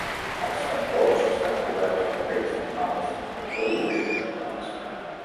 Els tambors estan coberts amb pells d'animals o dibuixos d'animals.